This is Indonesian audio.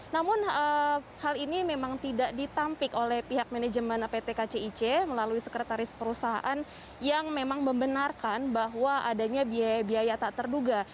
namun hal ini memang tidak ditampik oleh pihak manajemen pt kcic melalui sekretaris perusahaan yang memang membenarkan bahwa adanya biaya biaya tak terduga